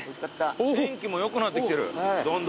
天気もよくなってきてるどんどん。